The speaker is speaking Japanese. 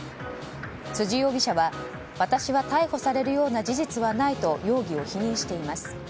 辻容疑者は、私は逮捕されるような事実はないと容疑を否認しています。